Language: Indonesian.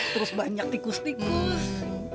terus banyak tikus tikus